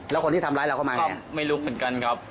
แล้วคนที่ทำร้ายเราเข้ามาก็ไม่รู้เหมือนกันครับ